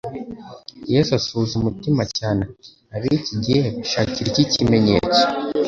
Yesu asuhuza umutima cyane ati: "ab'iki gihe bashakira iki ikimenyetso? "